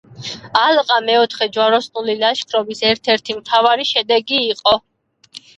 ალყა მეოთხე ჯვაროსნული ლაშქრობის ერთ-ერთი მთავარი შედეგი იყო.